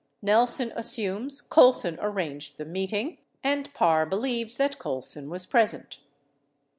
Nelson assumes Colson arranged the meeting 53 and Parr believes that Colson was present.